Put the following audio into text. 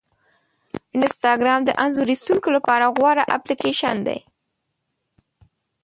انسټاګرام د انځور ایستونکو لپاره غوره اپلیکیشن دی.